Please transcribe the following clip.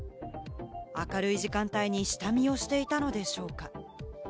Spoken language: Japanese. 明るい時間帯に下見をしていたのでしょうか？